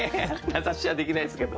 名指しはできないですけど。